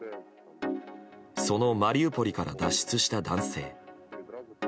そのマリウポリから脱出した男性。